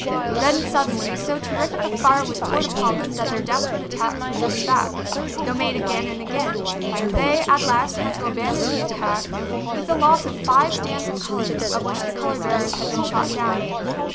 Then, suddenly, so terrific a fire was poured upon them that their desperate attacks were driven back, though made again and again. They at last had to abandon the attack with the loss of five stands of colors, of which the color bearers had been shot down.